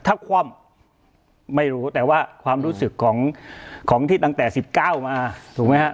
ถ้าคว่ำไม่รู้แต่ว่าความรู้สึกของที่ตั้งแต่๑๙มาถูกไหมฮะ